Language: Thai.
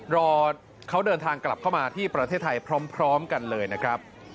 รอเขาเดินทางกลับเข้ามาที่ประเทศไทยพร้อมกันเลยนะครับ